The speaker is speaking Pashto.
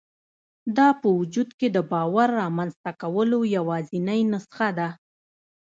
دا په وجود کې د باور رامنځته کولو یوازېنۍ نسخه ده